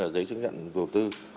giấy chứng nhận vô tư